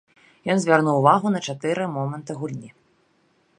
Ён звярнуў увагу на чатыры моманты гульні.